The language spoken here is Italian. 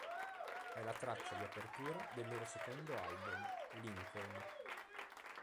È la traccia di apertura del loro secondo album, "Lincoln".